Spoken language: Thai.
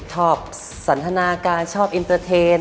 ชอบสันทนาการชอบเอ็นเตอร์เทน